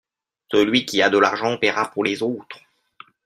Celui qui a de l'argent paiera pour les autres.